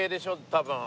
多分。